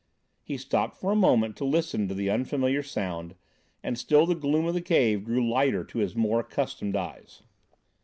He stopped for a moment to listen to the unfamiliar sound, and still the gloom of the cave grew lighter to his more accustomed eyes.